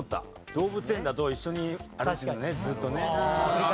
動物園だと一緒に歩いてるずっとね。